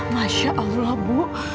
masya allah bu